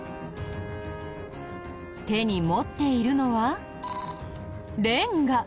手に持っているのはレンガ。